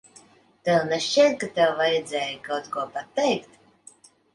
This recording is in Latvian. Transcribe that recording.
Tev nešķiet, ka tev vajadzēja kaut ko pateikt?